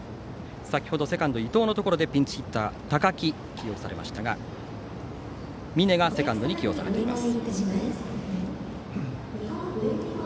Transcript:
先程セカンド、伊藤のところでピンチヒッターの高木が起用されましたが峯がセカンドに起用されています。